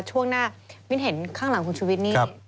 ช่วงหน้ามิ้นเห็นข้างหลังคุณชุวิตนี่